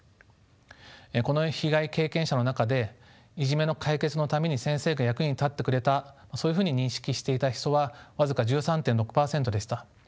この被害経験者の中でいじめの解決のために先生が役に立ってくれたそういうふうに認識していた人は僅か１３．６％でした。